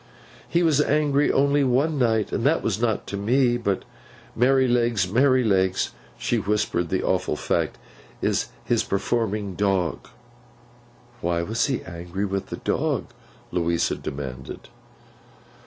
He was angry only one night, and that was not to me, but Merrylegs. Merrylegs;' she whispered the awful fact; 'is his performing dog.' 'Why was he angry with the dog?' Louisa demanded.